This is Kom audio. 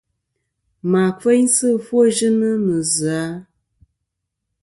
Mà kfeynsɨ ɨfwoyɨnɨ nɨ zɨ-a ?